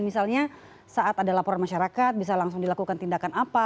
misalnya saat ada laporan masyarakat bisa langsung dilakukan tindakan apa